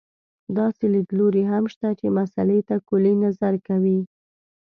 داسې لیدلوري هم شته چې مسألې ته کُلي نظر کوي.